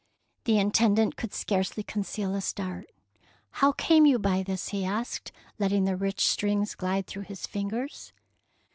The Intendant could scarcely con ceal a start. " How came you by this? he asked, letting the rich strings glide through his fingers.